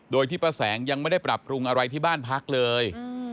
โดยที่ป้าแสงยังไม่ได้ปรับปรุงอะไรที่บ้านพักเลย